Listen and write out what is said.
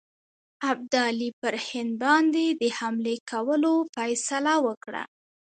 ابدالي پر هند باندي د حملې کولو فیصله وکړه.